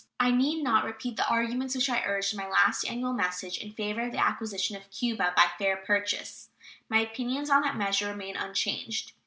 I need not repeat the arguments which I urged in my last annual message in favor of the acquisition of Cuba by fair purchase. My opinions on that measure remain unchanged.